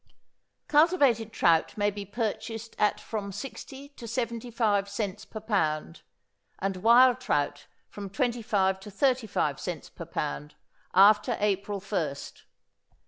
Cultivated trout may be purchased at from sixty to seventy five cents per pound, and wild trout from twenty five to thirty five cents per pound, after April first.